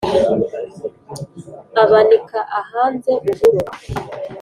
abanika ahanze uburo